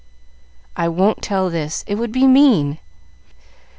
"I won't tell this. It would be mean."